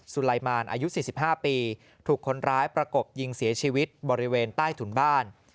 ไลมารอายุ๔๕ปีถูกคนร้ายประกบยิงเสียชีวิตบริเวณใต้ถุนบ้าน